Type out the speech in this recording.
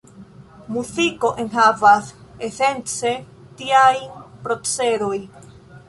Muziko enhavas esence tiajn procedoj.